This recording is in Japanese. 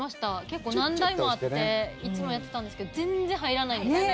結構、何台もあっていつもやってたんですけど全然入らないんですよね。